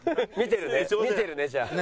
見てるねじゃあ。